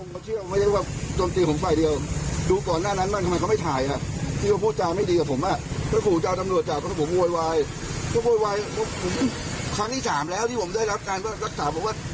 เพราะว่าผมไม่รักษาอะไรอย่างนี้ไม่ใช่แหละครับ